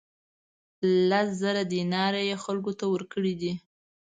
لس زره دینار یې خلکو ته ورکړي دي.